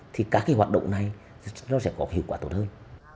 thì các cái hoạt động này nó sẽ có hiệu quả tốt hơn